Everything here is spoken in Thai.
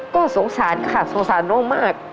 ก็สงสารค่ะสงสารน้องมาก